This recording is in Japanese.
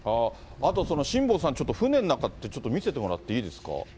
あと辛坊さん、ちょっと船の中ってちょっと見せてもらっていいですか。